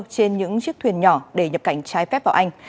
trên những chiếc thuyền nhỏ để nhập cảnh trái phép vào anh